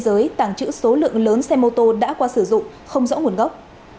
bên dưới tàng trữ số lượng lớn xe mô tô đã qua sử dụng không rõ nguồn gốc